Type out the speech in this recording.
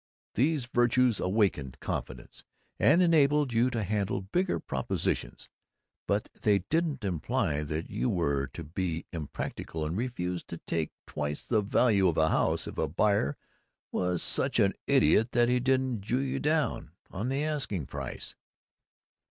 These virtues awakened Confidence, and enabled you to handle Bigger Propositions. But they didn't imply that you were to be impractical and refuse to take twice the value of a house if a buyer was such an idiot that he didn't jew you down on the asking price.